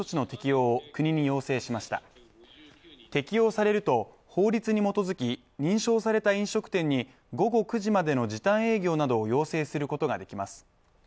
適用されると、法律に基づき、認証された飲食店に午後９時までの時短営業などを要請することができます。